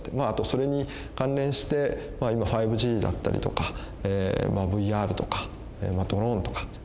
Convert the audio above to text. あとそれに関連して今５ＧだったりとかＶＲとかドローンとか。